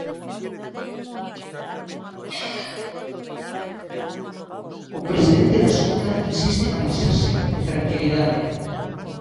O presidente da Xunta insiste na mensaxe de tranquilidade.